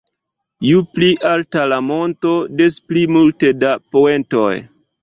Ju pli alta la monto, des pli multe da poentoj.